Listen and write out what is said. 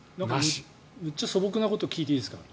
めっちゃ素朴なこと聞いていいですか？